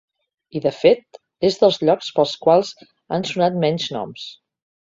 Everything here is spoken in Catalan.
I de fet, és dels llocs pels quals han sonat menys noms.